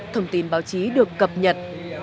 thông tin báo chí được cập nhật